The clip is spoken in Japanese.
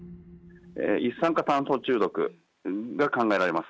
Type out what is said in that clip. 一酸化炭素中毒が考えられます。